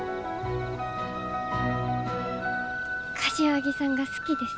柏木さんが好きです。